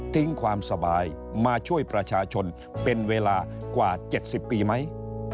ความสบายมาช่วยประชาชนเป็นเวลากว่า๗๐ปีไหม